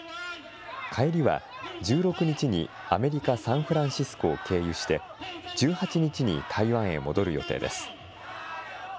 帰りは、１６日にアメリカ・サンフランシスコを経由して、１８日に台湾へ戻る予定です。